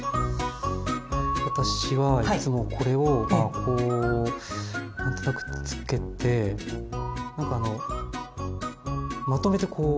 私はいつもこれをまあこう何となくつけてなんかあのまとめてこう。